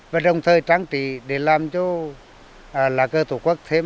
và đồng thời trang trí để làm cho là cờ tổ quốc thêm